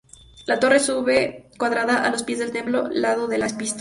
La torre sube cuadrada a los pies del templo, lado de la epístola.